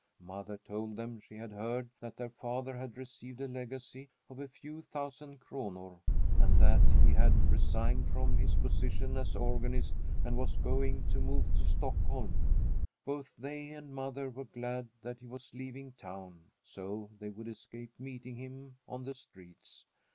Mother told them she had heard that their father had received a legacy of a few thousand kronor, and that he had resigned from his position as organist and was going to move to Stockholm. Both they and mother were glad that he was leaving town, so they would escape meeting him on the streets.